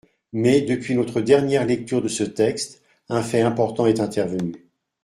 Mais, depuis notre dernière lecture de ce texte, un fait important est intervenu.